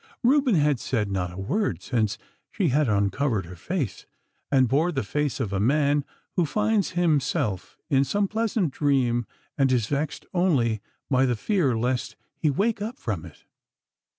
Reuben had said not a word since she had uncovered her face, and bore the face of a man who finds himself in some pleasant dream and is vexed only by the fear lest he wake up from it.